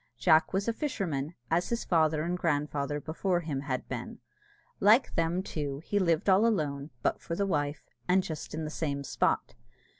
Jack was a fisherman, as his father and grandfather before him had been. Like them, too, he lived all alone (but for the wife), and just in the same spot.